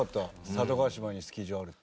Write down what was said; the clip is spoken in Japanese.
佐渡島にスキー場あるって。